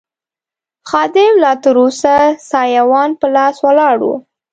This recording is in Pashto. خادم لا تراوسه سایوان په لاس ولاړ و.